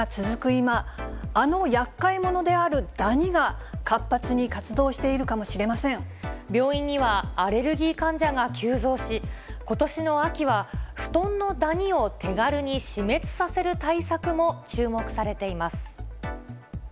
今、あのやっかい者であるダニが、活発に活動しているかもしれませ病院には、アレルギー患者が急増し、ことしの秋は、布団のダニを手軽に死滅させる対策も注目されています。